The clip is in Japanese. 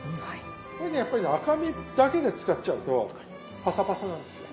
これねやっぱりね赤身だけで使っちゃうとパサパサなんですよ。